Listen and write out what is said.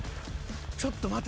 ちょっと待て。